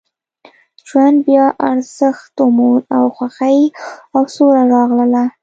ژوند بیا ارزښت وموند او خوښۍ او سوله راغله